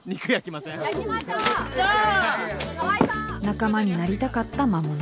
仲間になりたかった魔物。